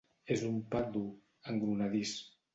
És un pa dur, engrunadís.